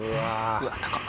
うわっ高っ！